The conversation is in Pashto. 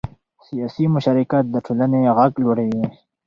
سیاسي مشارکت د ټولنې غږ لوړوي